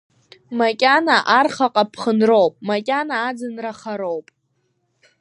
Макьана архаҟа ԥхынроуп, макьана аӡынра хароуп.